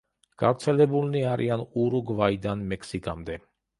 გავრცელებულნი არიან ურუგვაიდან მექსიკამდე.